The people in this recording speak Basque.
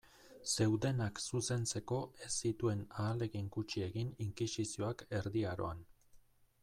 Zeudenak zuzentzeko ez zituen ahalegin gutxi egin inkisizioak Erdi Aroan.